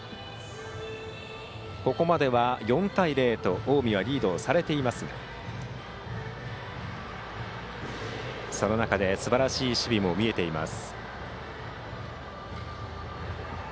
ここまでは４対０と近江はリードされていますがその中ですばらしい守備も見えています。